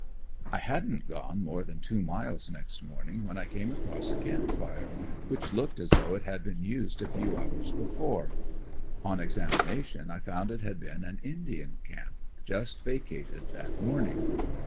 I hadn't gone more than two miles next morning when I came across a camp fire, which looked as though it had been used a few hours before; on examination I found it had been an indian camp, just vacated that morning.